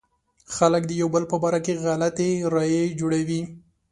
خلک د يو بل په باره کې غلطې رايې جوړوي.